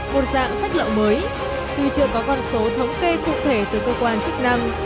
một dạng sách lậu mới tuy chưa có con số thống kê cụ thể từ cơ quan chức năng